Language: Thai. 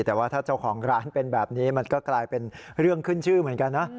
แต่ว่าถ้าเจ้าของร้านเป็นแบบนี้มันก็กลายเป็นเรื่องขึ้นชื่อเหมือนกันนะ